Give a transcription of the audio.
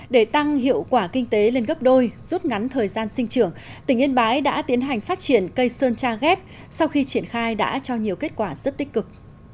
để tăng hiệu quả kinh tế lên gấp đôi rút ngắn thời gian sinh trưởng tỉnh yên bái đã tiến hành phát triển cây sơn tra ghép sau khi triển khai đã cho nhiều kết quả rất tích cực